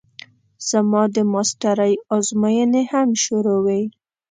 زما د ماسټرۍ ازموينې هم شروع وې.